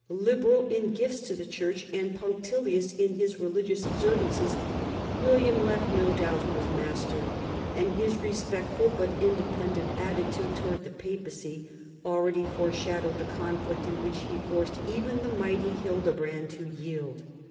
Liberal in gifts to the church and punctilious in his religious observances, William left no doubt who was master, and his respectful but independent attitude toward the Papacy already foreshadowed the conflict in which he forced even the mighty Hildebrand to yield.